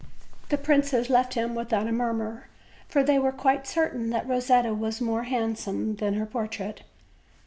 The princes left him without a murmur, for they were quite certain that Rosetta was more handsome than her portrait.